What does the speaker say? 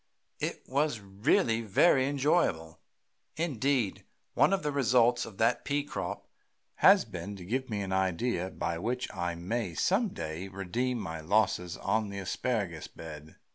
It was really very enjoyable. Indeed, one of the results of that pea crop has been to give me an idea by which I may some day redeem my losses on the asparagus bed.